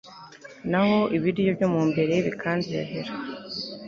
naho ibiryo byo mu mbere bikaryohera